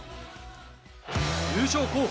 優勝候補